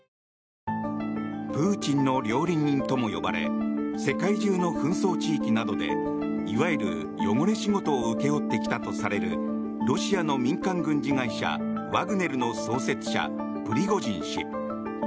プーチンの料理人とも呼ばれ世界中の紛争地域などでいわゆる汚れ仕事を請け負ってきたとされるロシアの民間軍事会社ワグネルの創設者プリゴジン氏。